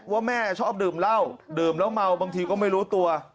ว่าแม่ชอบดื่มเหล้าดื่มแล้วเมาบางทีก็ไม่รู้ตัว